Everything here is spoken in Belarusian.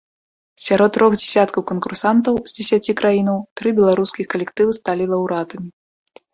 Сярод трох дзесяткаў канкурсантаў з дзесяці краінаў тры беларускіх калектывы сталі лаўрэатамі.